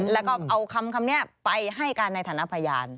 แล้วก็เอาคำนี้ไปให้การในฐานะพยาน